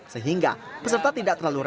sehingga peserta tidak terlalu rendah